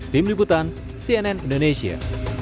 tim liputan cnn indonesia